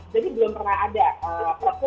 jadi belum pernah ada perpu